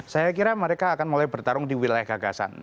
saya kira mereka akan mulai bertarung di wilayah gagasan